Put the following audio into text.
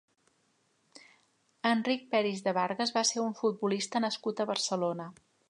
Enric Peris de Vargas va ser un futbolista nascut a Barcelona.